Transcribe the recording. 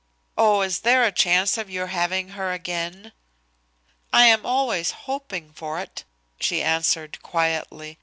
"Oh, is there a chance of your having her again?" "I am always hoping for it," she answered quietly.